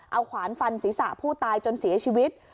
เอาขวานฟันศีรษะผู้ตายจนเสียชีวิต